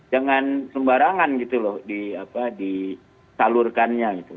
dengan sembarangan gitu loh disalurkannya